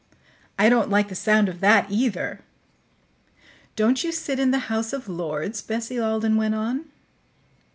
"I don't like the sound of that, either." "Don't you sit in the House of Lords?" Bessie Alden went on.